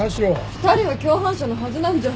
２人は共犯者のはずなんじゃ？